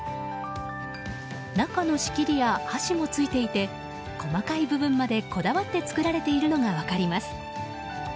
中の仕切りや箸もついていて細かい部分までこだわって作られているのが分かります。